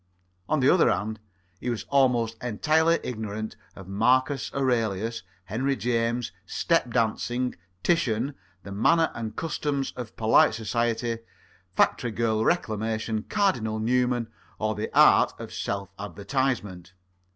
On the other hand, he was almost entirely ignorant of Marcus Aurelius, Henry James, Step dancing, Titian, the Manners and Customs of Polite Society, Factory Girl Reclamation, Cardinal Newman, or the Art of Self advertisement.